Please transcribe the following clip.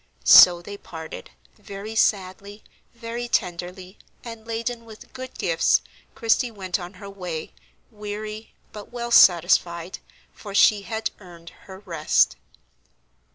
So they parted, very sadly, very tenderly, and laden with good gifts Christie went on her way weary, but well satisfied, for she had earned her rest.